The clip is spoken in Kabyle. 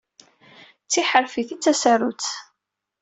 D tiḥḥerfit ay d tasarut.